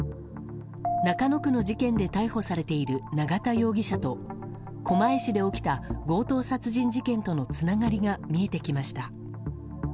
中野区の事件で逮捕されている永田容疑者と狛江市で起きた強盗殺人事件とのつながりが見えてきました。